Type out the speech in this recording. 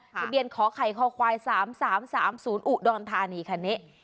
ทะเบียนขอไข่คอควาย๓๓๓๐อุดรธานีคันนี้